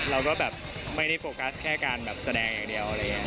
เราก็แบบไม่ได้โฟกัสแค่การแบบแสดงอย่างเดียวอะไรอย่างนี้